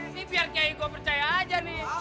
ini biar kiai ko percaya aja nih